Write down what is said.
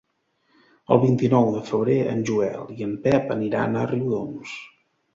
El vint-i-nou de febrer en Joel i en Pep aniran a Riudoms.